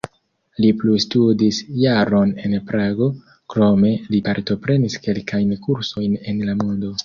Li plustudis jaron en Prago, krome li partoprenis kelkajn kursojn en la mondo.